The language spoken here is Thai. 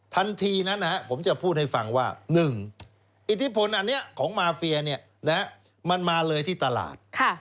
ทันทีนั้นผมจะพูดให้ฟังว่า๑อิทธิพลอันนี้ของมาเฟียมันมาเลยที่ตลาด